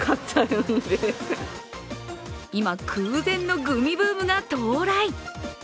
今、空前のグミブームが到来。